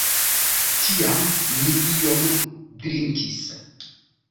Tiam mi iom drinkis.